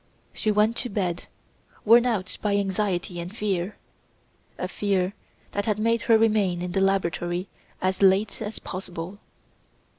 She went to bed, worn out by anxiety and fear a fear that had made her remain in the laboratory as late as possible.